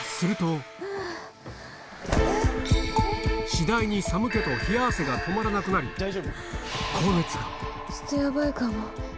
次第に寒気と冷や汗が止まらなくなり高熱がちょっとヤバいかも。